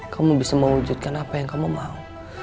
kamu bisa mewujudkan apa yang kamu mau